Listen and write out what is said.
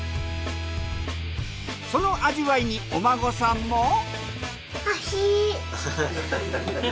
その味わいにお孫さんも。